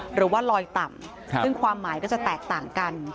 หรือว่าลอยต่ำซึ่งความหมายก็จะแตกต่างกัน